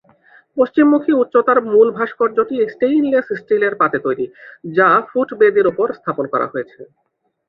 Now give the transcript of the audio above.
পশ্চিমমুখী উচ্চতার মূল ভাস্কর্যটি স্টেইনলেস স্টিলের পাতে তৈরি, যা ফুট বেদীর উপর স্থাপন করা হয়েছে।